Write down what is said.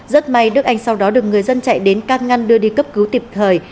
rất may đức anh sau đó được người dân chạy đến can ngăn đưa đi cấp cứu kịp thời